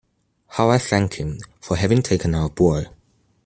How I thank Him for having taken our boy!